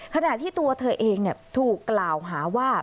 ขณะที่ตัวเธอเองถูกกล่าวหาว่า